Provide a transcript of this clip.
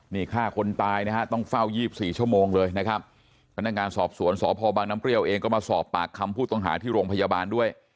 นี่ฆ่าคนตายนะฮะต้องเฝ้า๒๔ชั่วโมงเลยนะครับพนักงานสอบสวนสพบังน้ำเปรี้ยวเองก็มาสอบปากคำผู้ต้องหาที่โรงพยาบาลด้วย